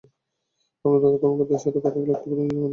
আপনার ঊর্ধ্বতন কর্মকর্তাদের সাথে কথা বলে একটি প্রতিবেদন জমা দিন।